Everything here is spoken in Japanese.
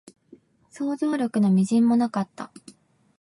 想像力の微塵もなかった